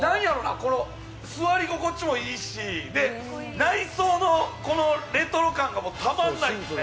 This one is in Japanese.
この座り心地もいいし内装のレトロ感がもうたまんないですね。